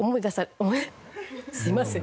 すいません。